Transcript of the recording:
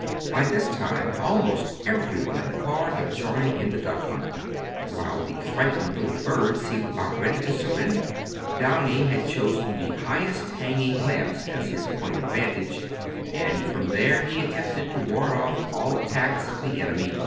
By this time almost everyone in the car had joined in the duck hunt, while the frightened little bird seemed about ready to surrender. Downy had chosen the highest hanging lamps as his point of vantage, and from there he attempted to ward off all attacks of the enemy.